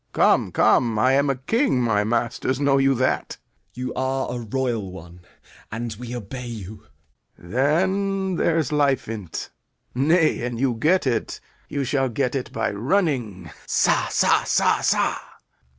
Come, come, I am a king; My masters, know you that? Gent. You are a royal one, and we obey you. Lear. Then there's life in't. Nay, an you get it, you shall get it by running. Sa, sa, sa, sa!